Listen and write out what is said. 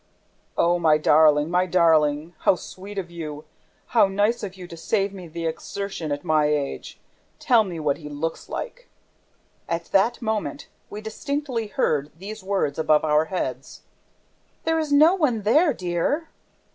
"Oh, my darling, my darling! ... How sweet of you! ... How nice of you to save me the exertion at my age! ... Tell me what he looks like!" At that moment, we distinctly heard these words above our heads: "There is no one there, dear!"